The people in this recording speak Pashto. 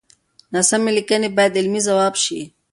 ناسمې ليکنې بايد علمي ځواب شي.